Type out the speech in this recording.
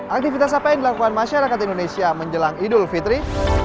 aktivitas apa yang dilakukan masyarakat indonesia menjelang idul fitri